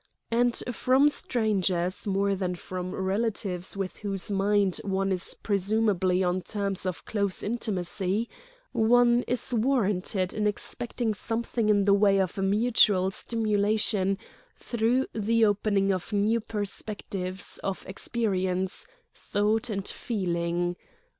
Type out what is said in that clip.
And from strangers, more than from relatives with whose minds one is presumably on terms of close intimacy, one is warranted in expecting something in the way of mutual stimulation through the opening of new perspectives of experience, thought, and feeling.